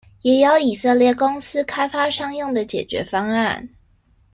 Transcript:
也有以色列公司開發商用的解決方案